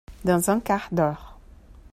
Dans un quart d’heure !